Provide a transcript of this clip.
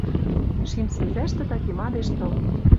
Шим сӹнзӓштӹ таки мадеш тыл.